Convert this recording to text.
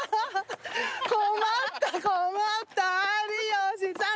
「困った困った有吉さん」